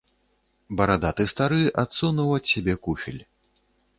Барадаты стары адсунуў ад сябе куфель.